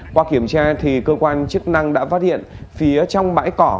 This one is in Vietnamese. qua kiểm tra cơ quan chức năng đã phát hiện phía trong bãi cỏ